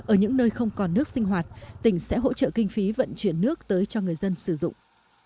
ở những nơi không còn nước sinh hoạt tỉnh sẽ hỗ trợ kinh phí vận chuyển nước tới cho người dân sử dụng